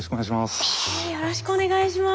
よろしくお願いします。